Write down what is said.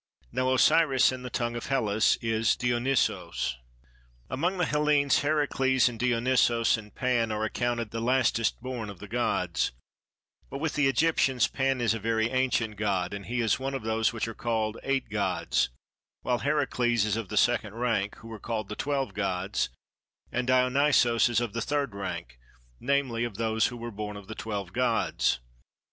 Now Osiris in the tongue of Hellas is Dionysos. Among the Hellenes Heracles and Dionysos and Pan are accounted the lastest born of the gods; but with the Egyptians Pan is a very ancient god, and he is one of those which are called eight gods, while Heracles is of the second rank, who are called the twelve gods, and Dionysos is of the third rank, namely of those who were born of the twelve gods.